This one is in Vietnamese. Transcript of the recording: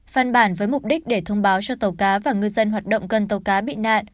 phan bản với mục đích để thông báo cho tàu cá và ngư dân hoạt động gần tàu cá bị nạn